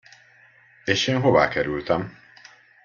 És én hová kerültem?